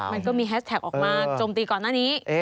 มันก็มีแฮชแท็กออกมาโจมตีก่อนหน้านี้